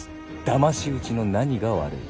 だまし討ちの何が悪い。